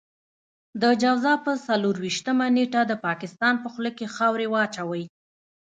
د جوزا په څلور وېشتمه نېټه د پاکستان په خوله کې خاورې واچوئ.